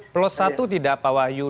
dua puluh lima plus satu tidak pak wahyu